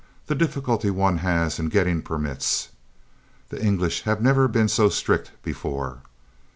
the difficulty one has in getting permits! "The English have never been so strict before!